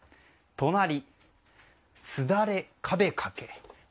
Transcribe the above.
隣、すだれ壁掛け。